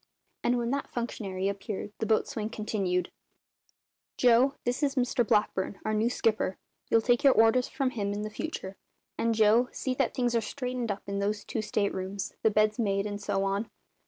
And when that functionary appeared the boatswain continued: "Joe, this is Mr Blackburn, our new skipper. You'll take your orders from him in future; and Joe, see that things are straightened up in those two state rooms, the beds made, and so on."